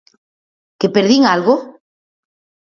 Que perdín algo?